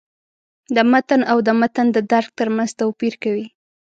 د «متن» او «د متن د درک» تر منځ توپیر کوي.